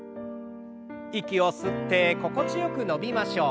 息を吸って心地よく伸びましょう。